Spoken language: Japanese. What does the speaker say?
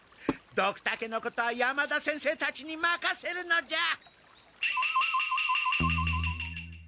ドクタケのことは山田先生たちにまかせるのじゃ！